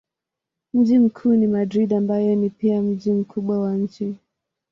Mji mkuu ni Madrid ambayo ni pia mji mkubwa wa nchi.